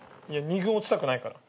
２軍落ちたくないから。